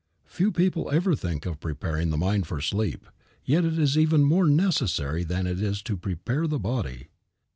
Few people ever think of preparing the mind for sleep, yet it is even more necessary than it is to prepare the body.